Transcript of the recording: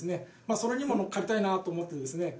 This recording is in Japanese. それにも乗っかりたいなと思ってですね。